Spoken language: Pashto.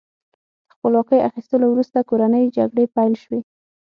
د خپلواکۍ اخیستلو وروسته کورنۍ جګړې پیل شوې.